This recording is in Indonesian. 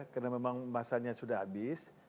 karena memang masanya sudah habis